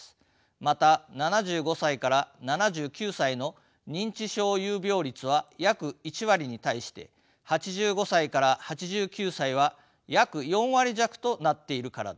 また７５歳７９歳の認知症有病率は約１割に対して８５歳８９歳は約４割弱となっているからです。